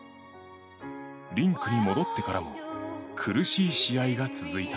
リンクに戻ってからも苦しい試合が続いた。